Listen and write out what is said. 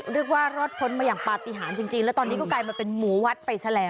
เรียกว่ารอดพ้นมาอย่างปฏิหารจริงแล้วตอนนี้ก็กลายมาเป็นหมูวัดไปแฉลง